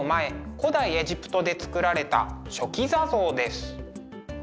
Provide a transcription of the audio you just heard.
古代エジプトで作られた「書記座像」です。